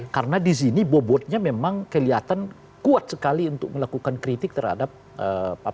karena di sini bobotnya memang kelihatan kuat sekali untuk melakukan kriminalitas